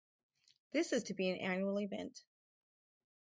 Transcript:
This is to be an annual event.